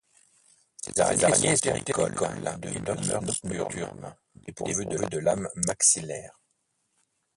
Ces araignées sont terricoles et de mœurs nocturnes, dépourvues de lames maxillaires.